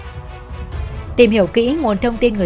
anh tìm hiểu kỹ nguồn thông tin người